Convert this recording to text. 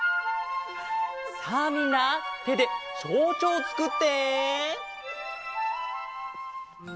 さあみんなてでちょうちょうをつくって！